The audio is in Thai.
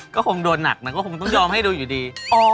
ก็คงโดนหนักมันก็คงต้องยอมให้ดูอยู่ดี